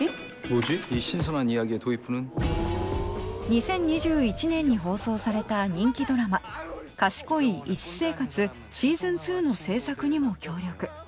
２０２１年に放送された人気ドラマ『賢い医師生活』シーズン２の制作にも協力。